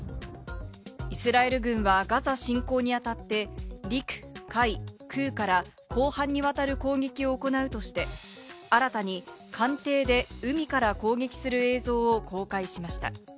イスラエル軍はガザ侵攻にあたって、陸、海、空から広範にわたる攻撃を行うとして、新たに艦艇で海から攻撃する映像を公開しました。